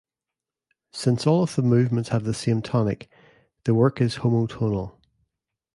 Since all of the movements have the same tonic, the work is homotonal.